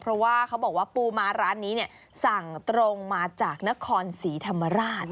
เพราะว่าเขาบอกว่าปูม้าร้านนี้เนี่ยสั่งตรงมาจากนครศรีธรรมราช